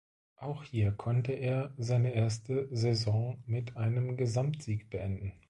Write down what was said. Auch hier konnte er seine erste Saison mit einem Gesamtsieg beenden.